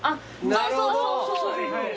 そうそうそうそう。